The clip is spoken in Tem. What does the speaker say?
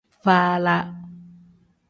Faala.